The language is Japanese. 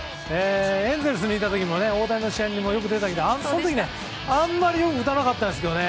エンゼルスにいた時も大谷の試合にもよく見たけどあの時はあんまり打たなかったですけどね。